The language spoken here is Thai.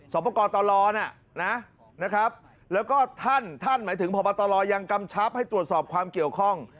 สอบโปรกรตอลอนะนะครับแล้วก็ท่านหมายถึงพศประตอลอยังกำชับให้ตรวจสอบความเกี่ยวข้อง